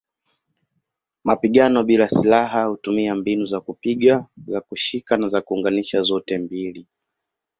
Mapigano bila silaha hutumia mbinu za kupiga, za kushika na za kuunganisha zote mbili.